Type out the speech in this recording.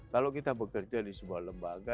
kalau kita bekerja di sebuah lembaga